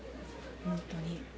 本当に。